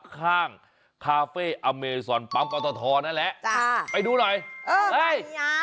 ข้างคาเฟ่อเมซอนปั๊มกรตทนั่นแหละไปดูหน่อยเอ้ย